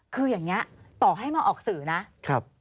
คือยังเนี่ยต่อให้มาออกสื่อนะ